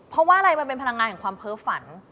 เพราะว่าอะไรมันเป็นพลังงานแห่งความเพ้อฝัน